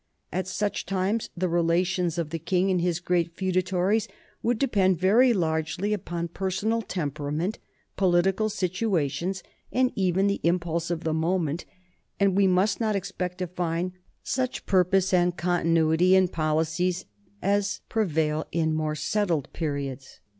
At such times the relations of the king and his great feudatories would depend very largely upon personal temperament, political situations, and even the im pulse of the moment, and we must not expect to find such purpose and continuity in policies as prevail in more settled periods.